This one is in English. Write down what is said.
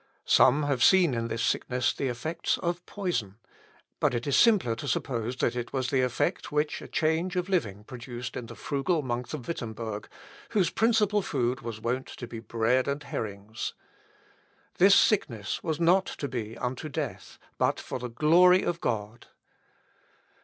Some have seen in this sickness the effects of poison, but it is simpler to suppose that it was the effect which a change of living produced in the frugal monk of Wittemberg, whose principal food was wont to be bread and herrings. This sickness was not to be unto death, but for the glory of God.